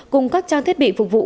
cùng các trang thiết bị phục vụ